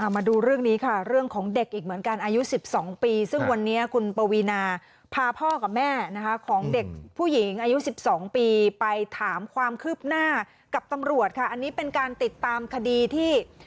มาดูเรื่องนี้ค่ะเรื่องของเด็กอีกเหมือนกันอายุ๑๒ปีซึ่งวันนี้คุณปวีนาพาพ่อกับแม่นะคะของเด็กผู้หญิงอายุ๑๒ปีไปถามความคืบหน้ากับตำรวจค่ะอันนี้เป็นการติดตามคดีที่